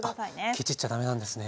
ケチっちゃ駄目なんですね。